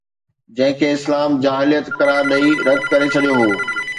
جنهن کي اسلام جاهليت قرار ڏئي رد ڪري ڇڏيو هو.